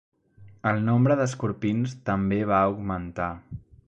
El nombre d'escorpins també va augmentar.